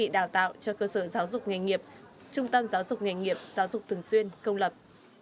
doanh nghiệp giáo dục thường xuyên công lập